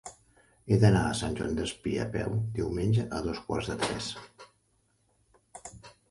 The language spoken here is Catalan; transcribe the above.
He d'anar a Sant Joan Despí a peu diumenge a dos quarts de tres.